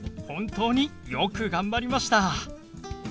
本当によく頑張りました。